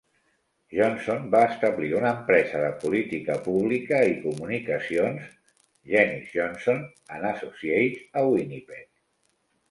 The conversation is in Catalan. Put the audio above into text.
Johnson va establir una empresa de política pública i comunicacions, Janis Johnson and Associates, a Winnipeg.